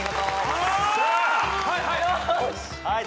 はいはい！